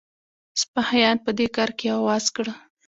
سپاهیان په دې کار کې یو آواز کړه.